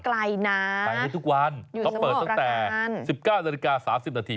ไม่ไกลนะอยู่ในสมุทรประการอยู่ในสมุทรประการไปทุกวันต้องเปิดตั้งแต่๑๙นาที๓๐นาที